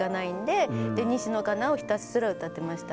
西野カナをひたすら歌ってました。